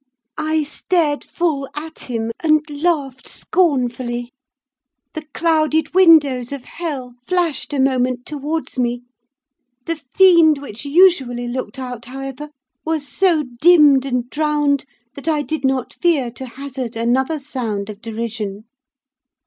I stared full at him, and laughed scornfully. The clouded windows of hell flashed a moment towards me; the fiend which usually looked out, however, was so dimmed and drowned that I did not fear to hazard another sound of derision.